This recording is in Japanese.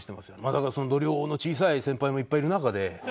だから度量の小さい先輩もいっぱいいる中で。